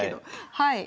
はい。